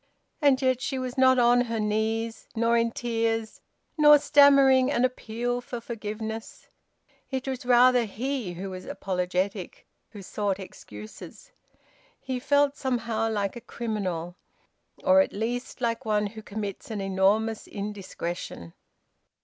And yet she was not on her knees, nor in tears, nor stammering an appeal for forgiveness. It was rather he who was apologetic, who sought excuses. He felt somehow like a criminal, or at least like one who commits an enormous indiscretion.